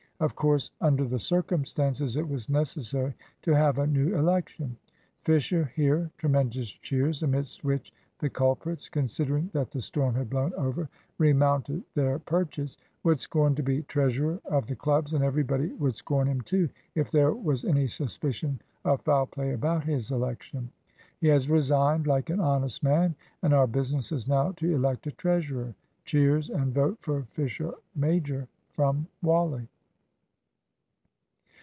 "Of course under the circumstances it was necessary to have a new election. Fisher here," (tremendous cheers, amidst which the culprits, considering that the storm had blown over, remounted their perches) "would scorn to be treasurer of the clubs, and everybody would scorn him too, if there was any suspicion of foul play about his election. He has resigned, like an honest man; and our business is now to elect a treasurer." (Cheers and "Vote for Fisher major" from Wally.)